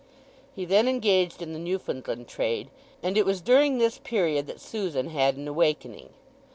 He then engaged in the Newfoundland trade, and it was during this period that Susan had an awakening.